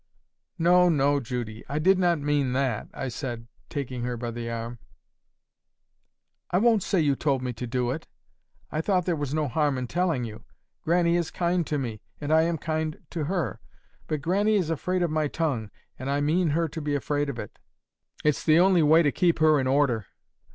"No, no, Judy. I did not mean that," I said, taking her by the arm. "I won't say you told me to do it. I thought there was no harm in telling you. Grannie is kind to me, and I am kind to her. But Grannie is afraid of my tongue, and I mean her to be afraid of it. It's the only way to keep her in order.